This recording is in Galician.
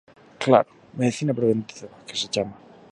Claro, medicina preventiva, que se chama.